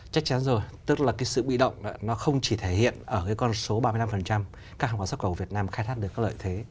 chắc chắn rồi tức là cái sự bị động nó không chỉ thể hiện ở cái con số ba mươi năm các hàng hóa xuất khẩu của việt nam khai thác được các lợi thế